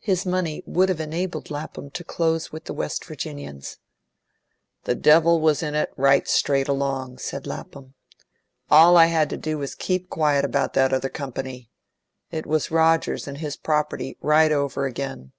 His money would have enabled Lapham to close with the West Virginians. "The devil was in it, right straight along," said Lapham. "All I had to do was to keep quiet about that other company. It was Rogers and his property right over again.